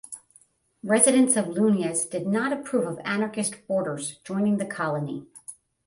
Residents of Luynes did not approve of anarchist boarders joining the colony.